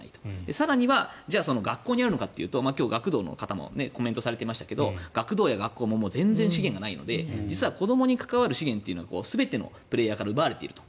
更には学校にあるかというと今日、学童の方もコメントされていましたがコメントされていましたけど学童や学校も全然資源がないので実は子どもに関わる資源というのは全てのプレーヤーから奪われていると。